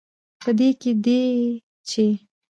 په دې کې دی، چې